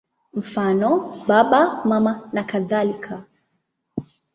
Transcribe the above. Mfano: Baba, Mama nakadhalika.